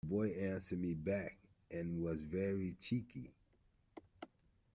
The boy answered me back, and was very cheeky